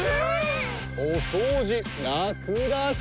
おそうじラクだし。